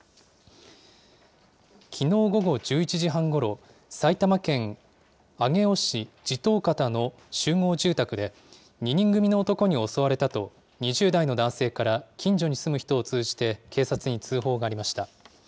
きのう午後１１時半ごろ、埼玉県上尾市地頭方の集合住宅で、２人組の男に襲われたと、２０代の男性から近所に住む人を通じて、警察に通報がありました。